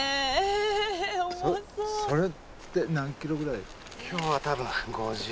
それって何ｋｇぐらい？